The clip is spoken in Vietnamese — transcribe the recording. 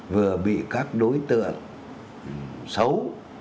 vừa bị các đối tượng xấu